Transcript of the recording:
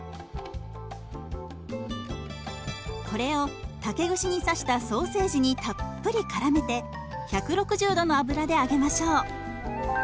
これを竹串に刺したソーセージにたっぷりからめて１６０度の油で揚げましょう。